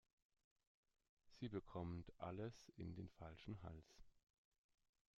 Sie bekommt alles in den falschen Hals.